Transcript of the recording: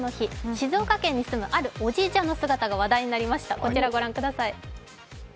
静岡県に住む、あるおじいちゃんの姿が話題になりました。